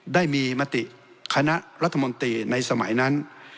ได้มีมติคณะรัฐมนตรีในสมัยนั้น